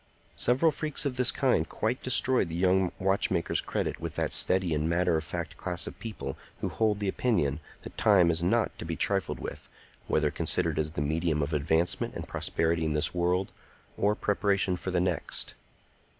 Several freaks of this kind quite destroyed the young watchmaker's credit with that steady and matter of fact class of people who hold the opinion that time is not to be trifled with, whether considered as the medium of advancement and prosperity in this world or preparation for the next.